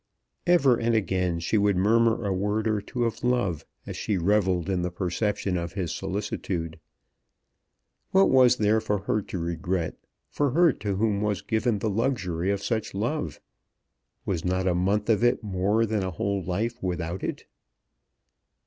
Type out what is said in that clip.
Ever and again she would murmur a word or two of love as she revelled in the perception of his solicitude. What was there for her to regret, for her to whom was given the luxury of such love? Was not a month of it more than a whole life without it?